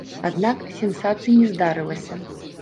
Аднак, сенсацыі не здарылася.